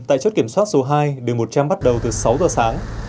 tại chốt kiểm soát số hai đường một trăm linh bắt đầu từ sáu giờ sáng